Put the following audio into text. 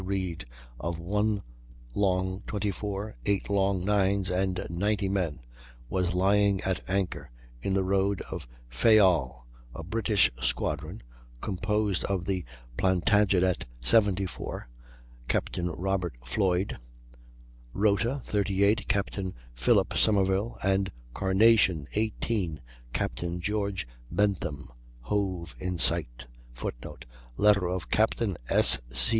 Reid, of one long 24, eight long 9's, and 90 men, was lying at anchor in the road of Fayal, a British squadron, composed of the Plantagenet, 74, Captain Robert Floyd, Rota, 38, Captain Philip Somerville, and Carnation, 18, Captain George Bentham, hove in sight. [Footnote: Letter of Captain S. C.